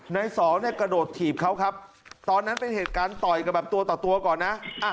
ในสองเนี่ยกระโดดถีบเขาครับตอนนั้นเป็นเหตุการณ์ต่อยกันแบบตัวต่อตัวก่อนนะ